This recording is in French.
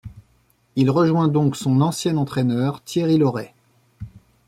Il rejoint donc son ancien entraîneur Thierry Laurey.